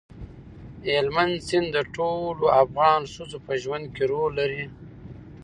هلمند سیند د ټولو افغان ښځو په ژوند کې رول لري.